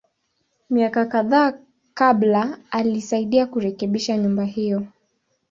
Miaka kadhaa kabla, alisaidia kurekebisha nyumba hiyo.